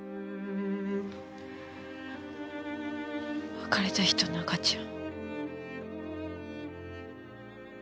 別れた人の赤ちゃん。